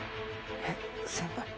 えっ先輩？